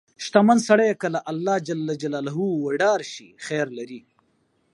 • شتمن سړی که له الله وډار شي، خیر لري.